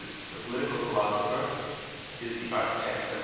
the political philosopher), "is the architect of the end."